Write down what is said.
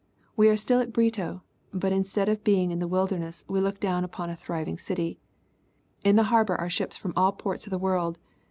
We are still at Brito, but instead of being in the wilderness, we look down upon a thriving city. In the harbor are ships from all ports of the world.